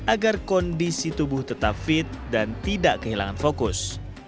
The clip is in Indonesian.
agar kondisi tubuh tetap fit dan tidak kehilangan fokus